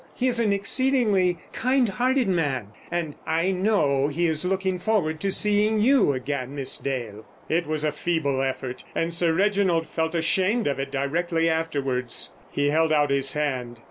He is an exceedingly kind hearted man, and—I know he is looking forward to seeing you again, Miss Dale." It was a feeble effort, and Sir Reginald felt ashamed of it directly afterwards. He held out his hand.